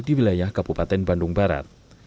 di wilayah kabupaten bandung barat